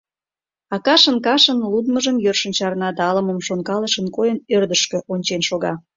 А кашын-кашын лудмыжым йӧршын чарна да, ала-мом шонкалышын койын, ӧрдыжкӧ ончен шога...